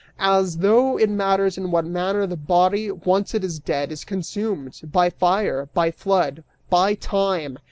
As though it matters in what manner the body, once it is dead, is consumed: by fire, by flood, by time!